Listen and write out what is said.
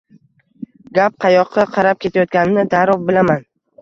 Gap qayoqqa qarab ketayotganini darrov bilaman.